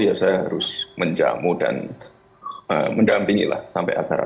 jadi saya harus menjamu dan mendampingi sampai akhirnya